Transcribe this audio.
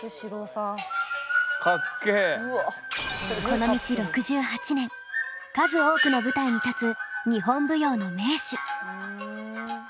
この道６８年数多くの舞台に立つ日本舞踊の名手。